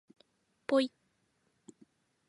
ぽい